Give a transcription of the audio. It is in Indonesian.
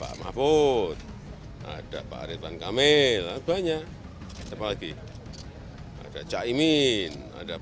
untuk bersama dengan pilihannya sama dengan ketiga